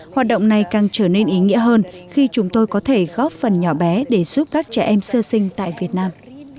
hoạt động này càng trở nên ý nghĩa hơn khi chúng tôi có thể góp phần nhỏ bé để giúp các trẻ em sơ sinh tại việt nam